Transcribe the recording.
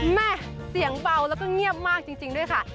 แม่เสียงเบาแล้วก็เงียบมากจริงด้วยค่ะ